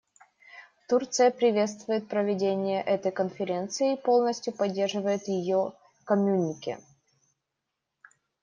Турция приветствует проведение этой конференции и полностью поддерживает ее коммюнике.